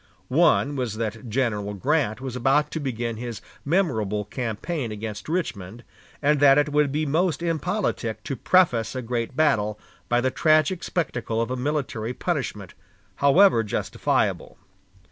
One was that General Grant was about to begin his memorable campaign against Richmond, and that it would be most impolitic to preface a great battle by the tragic spectacle of a military punishment, however justifiable.